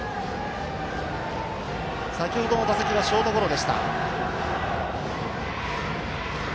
先ほどの打席はショートゴロでした。